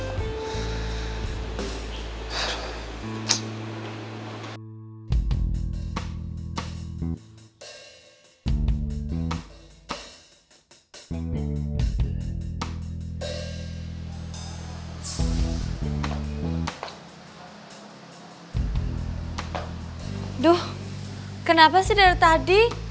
aduh kenapa sih dari tadi